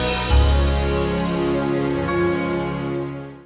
assalamualaikum warahmatullahi wabarakatuh